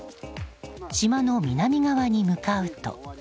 島の南側に向かうと。